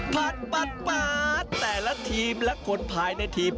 ปัดแต่ละทีมและคนภายในทีม